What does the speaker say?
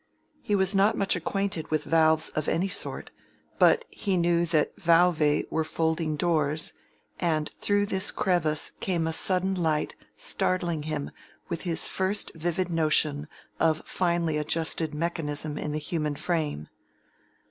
He was not much acquainted with valves of any sort, but he knew that valvae were folding doors, and through this crevice came a sudden light startling him with his first vivid notion of finely adjusted mechanism in the human frame.